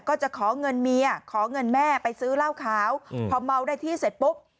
ก็จะขอเงินเมียขอเงินแม่ไปซื้อเหล้าขาวพอเมาได้ที่เสร็จปุ๊บ